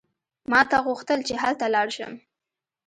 ما ته غوښتل چې هلته لاړ شم.